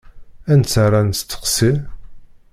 Anta ara nesteqsi?